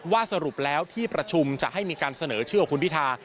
สรุปแล้วที่ประชุมจะให้มีการเสนอชื่อของคุณพิธา